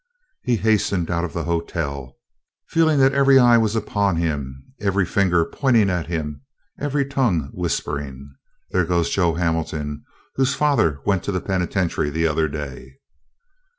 He hastened out of the hotel, feeling that every eye was upon him, every finger pointing at him, every tongue whispering, "There goes Joe Hamilton, whose father went to the penitentiary the other day."